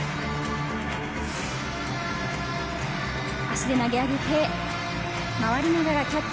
足で投げ上げて回りながらキャッチ。